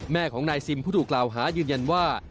แม่ของนายซิมผู้ถูกกล่าวหายืนยันว่า